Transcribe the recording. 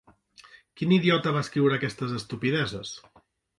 Quin idiota va escriure aquestes estupideses?